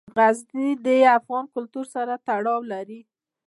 غزني د افغان کلتور سره تړاو لري.